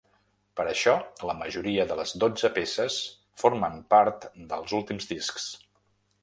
Per això la majoria de les dotze peces formen part dels últims discs.